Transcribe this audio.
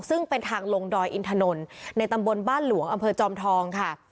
ซึ่งเป็นทางลงดอยอินถนนในตำบลบ้านหลวงอำเภอจอมทองค่ะ